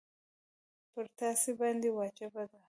پر تاسي باندي واجبه ده.